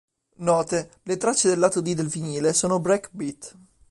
Note: le tracce del lato D del vinile sono break beat.